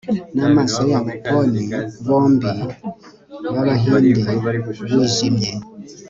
n'amaso y'abo poni bombi b'abahinde wijimye